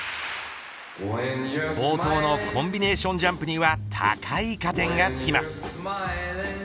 冒頭のコンビネーションジャンプには高い加点がつきます。